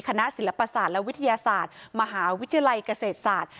คณะศิลปศาสตร์และวิทยาศาสตร์มหาวิทยาลัยเกษตรศาสตร์